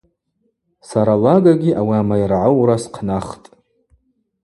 Сара лагагьи ауи амайрагӏаура схънахтӏ.